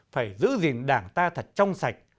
phải giữ gìn đảng ta thật trong sạch